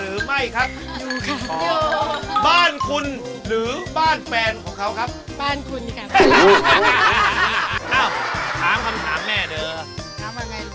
เราไปแจกเงินกันหน่อยมั้ยเออ